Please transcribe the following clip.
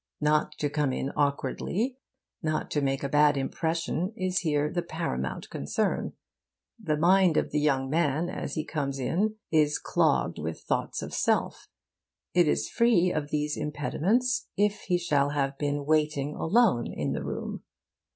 Not to come in awkwardly, not to make a bad impression, is here the paramount concern. The mind of the young man as he comes in is clogged with thoughts of self. It is free of these impediments if he shall have been waiting alone in the room.